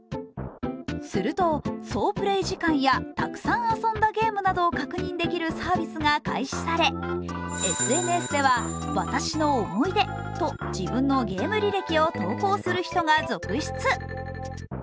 すると総プレー時間やたくさん遊んだゲームなどを確認できるサービスが開始され、ＳＮＳでは「わたしの思い出」と自分のゲーム履歴を投稿する人が続出。